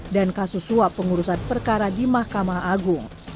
dan kasus suap pengurusan perkara di mahkamah agung